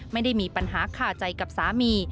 ไม่ได้มีปัญหาขาใจกับสามี